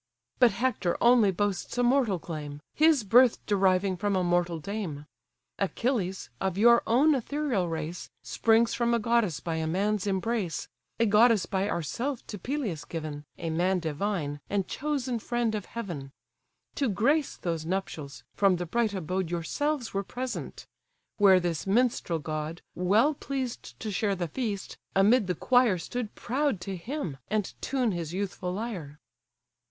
But Hector only boasts a mortal claim, His birth deriving from a mortal dame: Achilles, of your own ethereal race, Springs from a goddess by a man's embrace (A goddess by ourself to Peleus given, A man divine, and chosen friend of heaven) To grace those nuptials, from the bright abode Yourselves were present; where this minstrel god, Well pleased to share the feast, amid the quire Stood proud to hymn, and tune his youthful lyre."